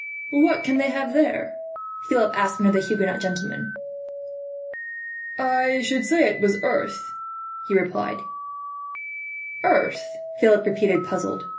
"What can they have there?" Philip asked one of the Huguenot gentlemen. "I should say it was earth," he replied "Earth?" Philip repeated, puzzled.